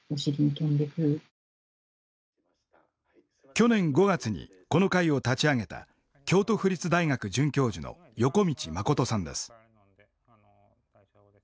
去年５月にこの会を立ち上げた京都府立大学准教授の横道誠さんです。